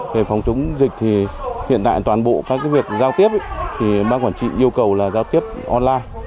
về phòng chống dịch thì hiện tại toàn bộ các việc giao tiếp thì bác quản trị yêu cầu là giao tiếp online